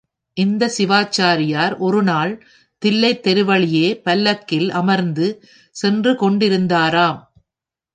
இந்தச் சிவாச்சாரியார் ஒருநாள் தில்லைத் தெருவழியே பல்லக்கில் அமர்ந்து சென்று கொண்டிருந்தாராம்.